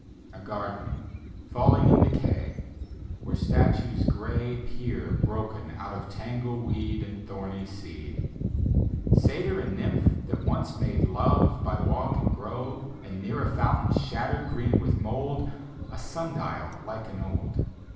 A garden, falling in decay, Where statues gray Peer, broken, out of tangled weed And tiiomy seed ; Satyr and Nymph, that once made love By walk and grove: And, near a fountain, shattered, green with mould, A sundial, lichen old.